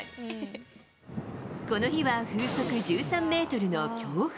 この日は風速１３メートルの強風。